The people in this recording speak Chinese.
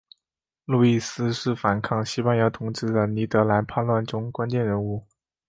路易斯是反抗西班牙统治的尼德兰叛乱中关键人物。